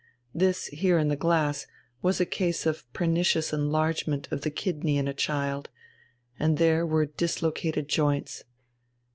This, here in the glass, was a case of pernicious enlargement of the kidney in a child, and there were dislocated joints.